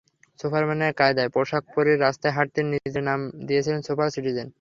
সুপারম্যানের কায়দায় পোশাক পরে রাস্তায় হাঁটতেন, নিজের নাম দিয়েছিলেন সুপার সিটিজেন।